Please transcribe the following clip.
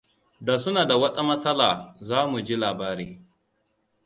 Da suna da wata matsala, za mu ji labari.